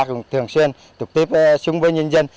cũng thường xuyên trực tiếp xuống với nhân dân